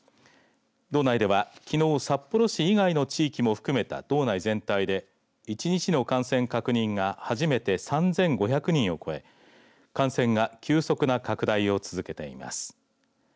道内では、きのう札幌市以外の地域も含めた道内全体で１日の感染確認が初めて３５００人を超え感染が急速な拡大を続けています。